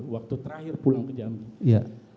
waktu terakhir pulang ke jambi